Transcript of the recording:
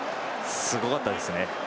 すごかったですね。